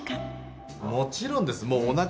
もちろんです。